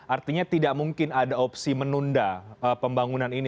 artinya tidak mungkin ada opsi menunda pembangunan ini